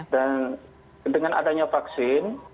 dan dengan adanya vaksin